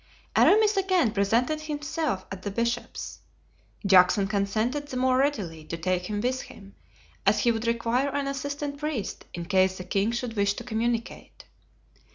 Aramis again presented himself at the bishop's. Juxon consented the more readily to take him with him, as he would require an assistant priest in case the king should wish to communicate.